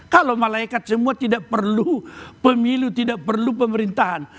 kalau malaikat semua tidak perlu pemilu tidak perlu pemerintahan